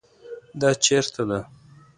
دا چیرته ده؟